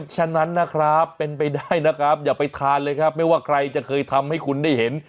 ฉะนั้นนะครับเป็นไปได้นะครับอย่าไปทานเลยครับไม่ว่าใครจะเคยทำให้คุณได้เห็น